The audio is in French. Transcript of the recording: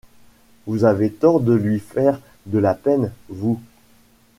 Vous avez tort de lui faire de la peine, vous…